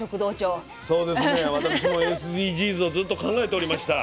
私もＳＤＧｓをずっと考えておりました。